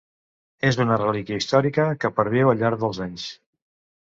És una relíquia històrica que perviu al llarg dels anys.